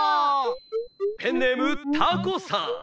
「ペンネームタコさん。